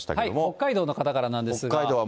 北海道の方からなんですが。